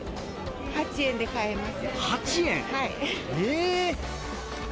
８円で買えます。